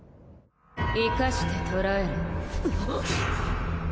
・生かして捕らえろ